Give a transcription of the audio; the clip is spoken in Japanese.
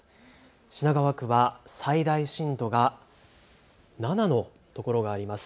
品川区は最大震度が７のところがあります。